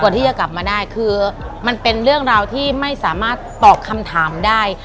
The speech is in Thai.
ที่จะกลับมาได้คือมันเป็นเรื่องราวที่ไม่สามารถตอบคำถามได้